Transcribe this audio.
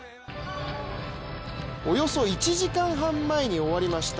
およそ１時間半前に終わりました